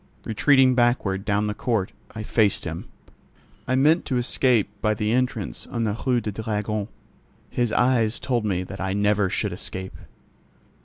Retreating backward, down the court, I faced him. I meant to escape by the entrance on the Rue du Dragon. His eyes told me that I never should escape.